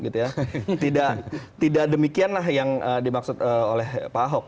tidak demikianlah yang dimaksud oleh pak ahok